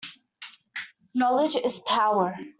Knowledge is power.